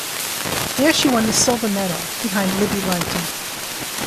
There she won the silver medal behind Libby Lenton.